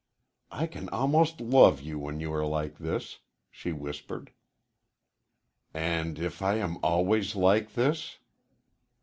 "I can almost love you when you are like this," she whispered. "And if I am always like this